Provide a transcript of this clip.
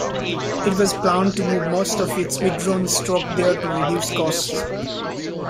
It was planned to move most of its withdrawn stock there to reduce costs.